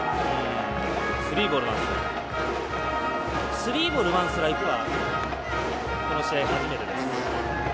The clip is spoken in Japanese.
スリーボールワンストライクはこの試合、初めてです。